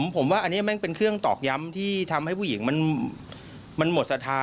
ผมว่าอันนี้แม่งเป็นเครื่องตอกย้ำที่ทำให้ผู้หญิงมันหมดศรัทธา